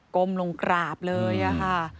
ก้มลงกราบเลยค่ะ